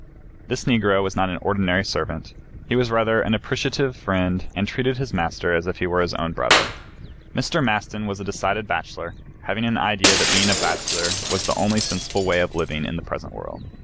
This Negro was not an ordinary servant; he was rather an appreciative friend and treated his master as if he were his own brother. Mr. Maston was a decided bachelor, having an idea that being a bachelor was the only sensible way of living in the present world.